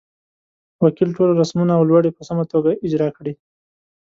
وکیل ټول رسمونه او لوړې په سمه توګه اجرا کړې.